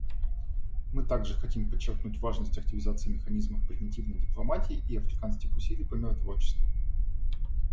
Мы также хотим подчеркнуть важность активизации механизмов превентивной дипломатии и африканских усилий по миротворчеству.